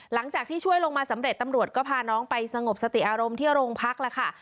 หลังจากที่ช่วยลงมาสำเร็จตำรวจก็พาน้องไปสงบสติอารมณ์ที่โรงพักแล้วค่ะ